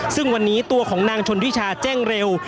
ซึ่งวันนี้ตัวของนางชนทิชาแจ้งเร็ว